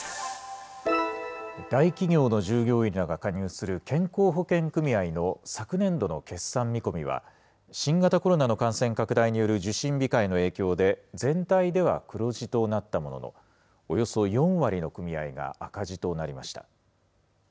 大企業の従業員らが加入する健康保険組合の昨年度の決算見込みは、新型コロナの感染拡大による受診控えの影響で、全体では黒字となったものの、およそ４割の組合が赤字となりました。